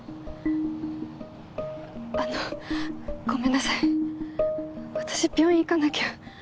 あのごめんなさい私病院行かなきゃ。